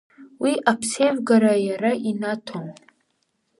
Уи аԥсеивгара иара инаҭон.